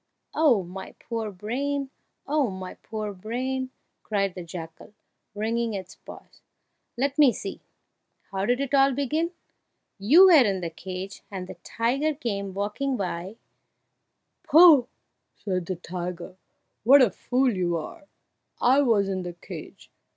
"Oh, my poor brain! oh, my poor brain!" cried the jackal, wringing its paws. "Let me see! how did it all begin? You were in the cage, and the tiger came walking by " "Pooh!" interrupted the tiger, "what a fool you are! I was in the cage."